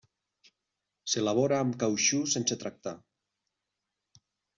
S'elabora amb cautxú sense tractar.